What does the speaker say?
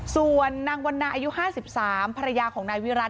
ส่วนนางวันนาอายุ๕๓ภรรยาของนายวิรัติ